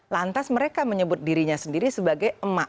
lantas mereka menyebut dirinya sendiri sebagai emak